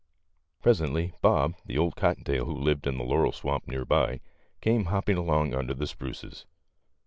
Presently Bob, the old cotton tail who lived in the laurel swamp near by, came hopping along under the spruces.